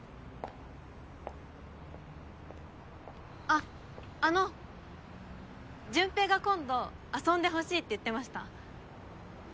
あっあの順平が今度遊んでほしいって言ってました。